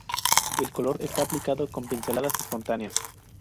El color está aplicado con pinceladas espontáneas.